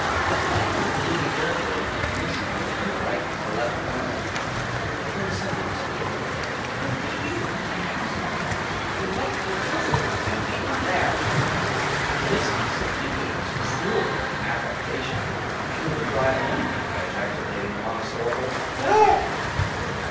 At length removing carefully his meerschaum from the right to the left corner of his mouth, he condescended to speak. “Who pe you,” he asked, “und what der teuffel you pe do dare?” To this piece of impudence, cruelty and affectation, I could reply only by ejaculating the monosyllable “Help!